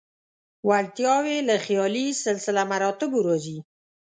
وړتیاوې له خیالي سلسله مراتبو راځي.